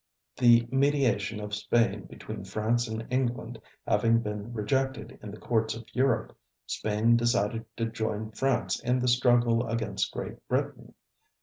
The mediation of Spain between France and England having been rejected in the courts of Europe, Spain decided to join France in the struggle against Great Britain.